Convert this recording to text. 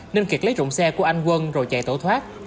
nên kiệt lấy rụng xe của anh quân rồi chạy tổ thoát